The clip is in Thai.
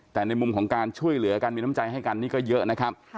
แต่ในมุมของการช่วยเหลือกันมีน้ำใจให้กันนี่ก็เยอะนะครับ